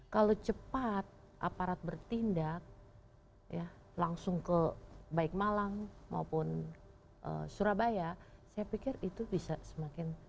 kalau cepat aparat bertindak ya langsung ke baik malang maupun surabaya saya pikir itu bisa semakin